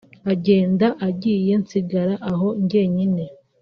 agenda agiye nsigara aho njyenyine